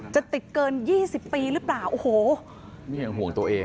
จะติดเกิน๒๐ปีหรือเปล่าโอ้โห